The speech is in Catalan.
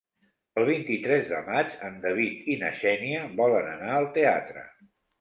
El vint-i-tres de maig en David i na Xènia volen anar al teatre.